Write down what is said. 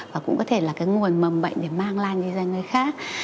và cũng có thể là cái nguồn mầm bệnh để mang lan ra người khác